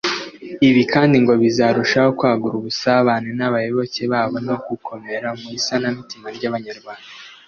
Ibi kandi ngo bizarushaho kwagura ubusabane n’abayoboke babo no gukomera mu isanamitima ry’Abanyarwanda